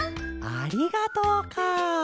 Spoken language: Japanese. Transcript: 「ありがとう」かあ！